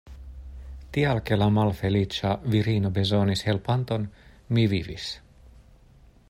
Tial ke la malfeliĉa virino bezonis helpanton, mi vivis.